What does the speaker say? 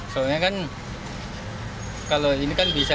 soalnya kan kalau ini kan bisa